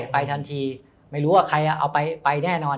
ไปทันทีไม่รู้ว่าใครเอาไปแน่นอน